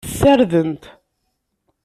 Ssardent.